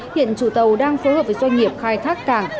hiện chủ tàu đang phối hợp với doanh nghiệp khai thác cảng